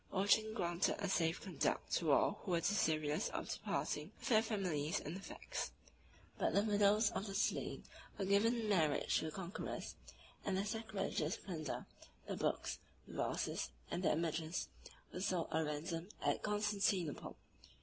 Orchan granted a safe conduct to all who were desirous of departing with their families and effects; but the widows of the slain were given in marriage to the conquerors; and the sacrilegious plunder, the books, the vases, and the images, were sold or ransomed at Constantinople.